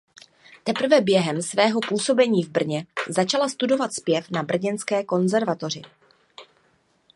Teprve během svého působení v Brně začala studovat zpěv na brněnské konzervatoři.